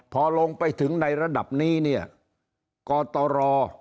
พอลงไปถึงในระดับนี้เนี่ยกตร